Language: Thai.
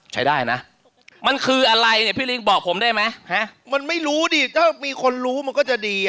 ใช้ได้นะมันคืออะไรเนี่ยพี่ลิงบอกผมได้ไหมฮะมันไม่รู้ดิถ้ามีคนรู้มันก็จะดีอ่ะ